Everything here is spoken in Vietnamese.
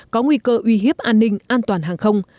có nguy cơ uy hiếp an ninh an toàn hàng không